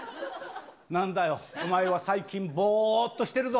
なんだよ、お前は最近、ぼーっとしてるぞ。